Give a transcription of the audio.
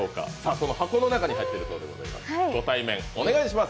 その箱の中に入っているそうです、ご対面、お願いします。